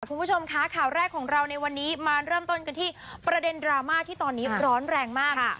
คุณผู้ชมคะข่าวแรกของเราในวันนี้มาเริ่มต้นกันที่ประเด็นดราม่าที่ตอนนี้ร้อนแรงมาก